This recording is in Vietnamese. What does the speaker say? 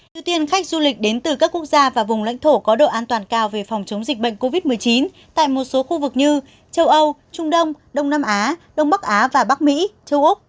ưu tiên khách du lịch đến từ các quốc gia và vùng lãnh thổ có độ an toàn cao về phòng chống dịch bệnh covid một mươi chín tại một số khu vực như châu âu trung đông đông nam á đông bắc á và bắc mỹ châu âu